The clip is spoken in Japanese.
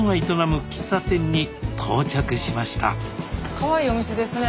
かわいいお店ですね。